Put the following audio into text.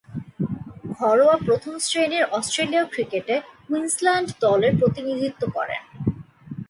ঘরোয়া প্রথম-শ্রেণীর অস্ট্রেলীয় ক্রিকেটে কুইন্সল্যান্ড দলের প্রতিনিধিত্ব করেন।